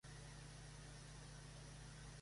Es miembro del Council on Foreign Relations.